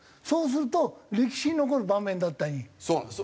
そうすると歴史に残る場面だったのに。